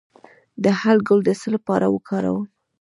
د هل ګل د څه لپاره وکاروم؟